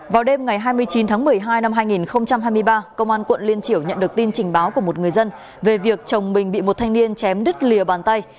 vào đêm ngày hai mươi chín tháng một mươi hai năm hai nghìn hai mươi ba công an quận liên triểu nhận được tin trình báo của một người dân về việc chồng mình bị một thanh niên chém đứt lìa bàn tay